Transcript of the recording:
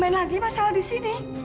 gak usah cari masalah lagi